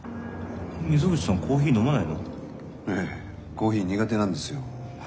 コーヒー苦手なんですよ。